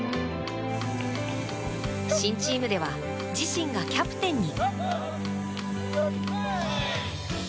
新チームでは自身がキャプテンに。